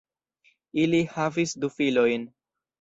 Ili havis du filojn.